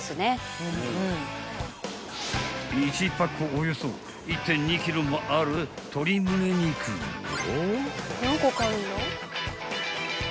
［１パックおよそ１．２ｋｇもある鶏むね肉を］